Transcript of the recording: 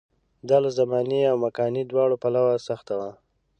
دا له زماني او مکاني دواړو پلوه سخته وه.